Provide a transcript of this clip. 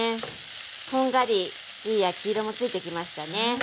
こんがりいい焼き色もついてきましたね。